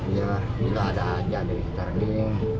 ya itu ada aja dari starling